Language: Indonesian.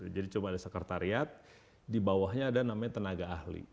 jadi cuma ada sekretariat dibawahnya ada namanya tenaga ahli